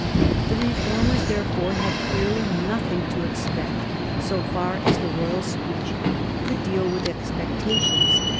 The reformers therefore had clearly nothing to expect so far as the Royal Speech could deal with expectations.